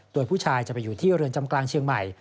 โดยผู้ชายจะไปอยู่ที่เรือนจำกลางเชียงใหม่